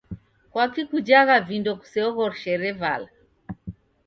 Kwaki kujagha vindo kuseoghoshere vala?